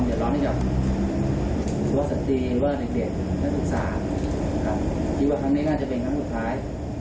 คิดว่าครั้งนี้น่าจะเป็นครั้งสุดท้าย